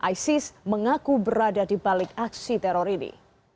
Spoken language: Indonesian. isis mengaku berada di balik aksi teror ini